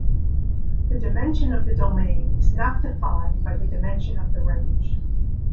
The dimension of the domain is not defined by the dimension of the range.